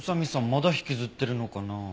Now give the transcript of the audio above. まだ引きずってるのかな？